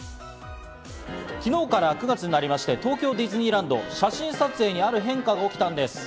昨日から９月になりまして、東京ディズニーランド、写真撮影にある変化が起きたんです。